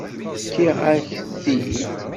Fkiɣ-ak-t-id?